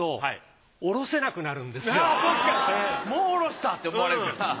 もうおろした！って思われるから。